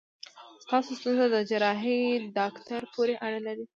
ستاسو ستونزه د جراحي داکټر پورې اړه لري.